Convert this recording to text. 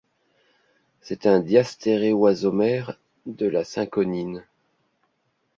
C'est un diastéréoisomère de la cinchonine.